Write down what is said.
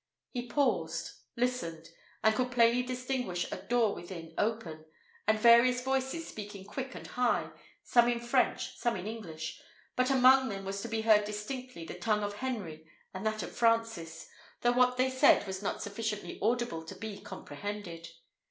He paused, listened, and could plainly distinguish a door within open, and various voices speaking quick and high, some in French, some in English; but among them was to be heard distinctly the tongue of Henry and that of Francis, though what they said was not sufficiently audible to be comprehended.